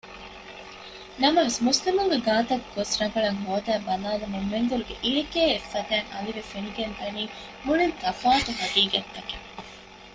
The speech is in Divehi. ނަމަވެސް މުސްލިމުންގެ ގާތަށްގޮސް ރަނގަޅަށް ހޯދައި ބަލައިލުމުން މެންދުރުގެ އިރެކޭ އެއްފަދައިން އަލިވެ ފެނިގެންދަނީ މުޅީން ތަފާތު ޙަޤީޤަތްތަކެއް